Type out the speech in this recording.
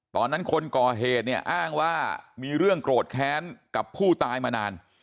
คนก่อเหตุเนี่ยอ้างว่ามีเรื่องโกรธแค้นกับผู้ตายมานาน